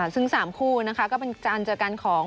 ซึ่ง๓คู่นะครับก็เป็นอันจากรรมของ